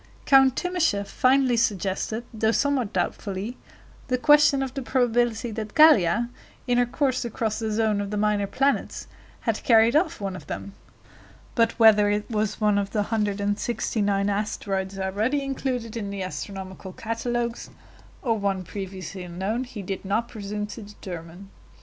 Count Timascheff finally suggested, though somewhat doubtfully, the question of the probability that Gallia, in her course across the zone of the minor planets, had carried off one of them; but whether it was one of the 169 asteroids already included in the astronomical catalogues, or one previously unknown, he did not presume to determine.